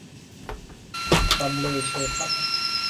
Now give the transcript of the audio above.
บำเรอเชอภักดิ์